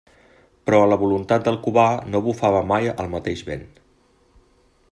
Però en la voluntat del Cubà no bufava mai el mateix vent.